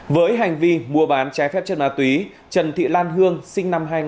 với hành vi mua bán trái phép chất ma túy trần thị lan hương sinh năm hai nghìn